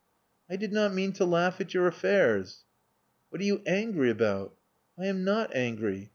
*'I did not mean to laugh at your affairs." *'What are you angry about?" "I am not angry.